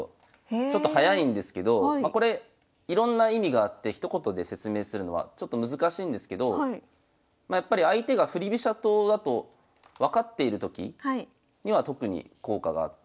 ちょっと早いんですけどこれいろんな意味があってひと言で説明するのはちょっと難しいんですけどやっぱり相手が振り飛車党だと分かっているときには特に効果があって。